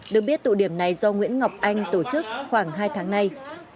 được biết tụ điểm này do nguyễn ngọc anh tổ chức khoảng hai tháng nay